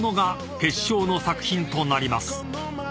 決勝の作品となります］